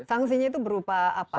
sanksinya itu berupa apa